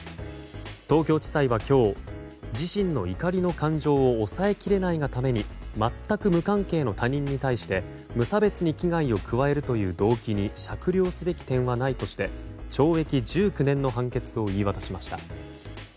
東京地裁は今日自身の怒りの感情を抑えきれないがために全く無関係の他人に対して無差別に危害を加えるという動機に酌量すべき点はないとして懲役１９年の判決を言い渡しました。